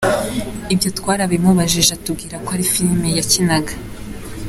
Ibyo twarabimubajije atubwira ko ari filime yakinaga…”.